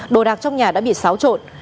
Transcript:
đồ đạc trong nhà đã bị xáo trộn